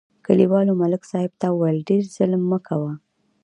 کلیوالو ملک صاحب ته وویل: ډېر ظلم مه کوه.